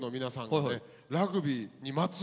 ラグビーにまつわるコラボ。